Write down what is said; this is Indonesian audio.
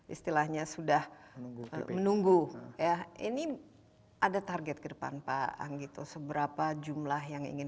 istilahnya sudah menunggu ya ini ada target ke depan pak anggito seberapa jumlah yang ingin